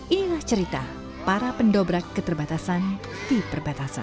inilah cerita para pendobrak keterbatasan di perbatasan